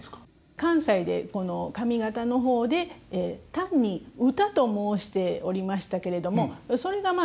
関西でこの上方の方で単に「唄」と申しておりましたけれどもそれがまあ